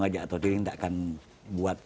aja atau tidak akan buat